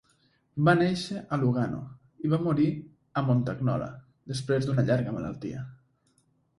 Va néixer a Lugano i va morir a Montagnola després d'una llarga malaltia.